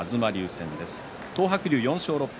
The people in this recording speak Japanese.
東白龍は４勝６敗。